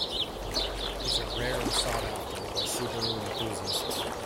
These are rare and sought after by Subaru enthusiasts.